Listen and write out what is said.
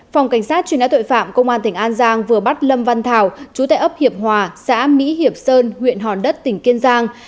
phòng cảnh sát truy nã tội phạm công an tỉnh an giang vừa bắt lâm văn thảo chú tại ấp hiệp hòa xã mỹ hiệp sơn huyện hòn đất tỉnh kiên giang